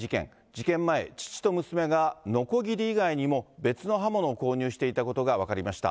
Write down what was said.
事件前、父と娘がのこぎり以外にも別の刃物を購入していたことが分かりました。